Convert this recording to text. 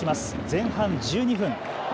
前半１２分。